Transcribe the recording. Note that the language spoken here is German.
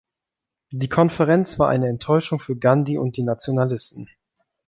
Die Konferenz war eine Enttäuschung für Gandhi und die Nationalisten.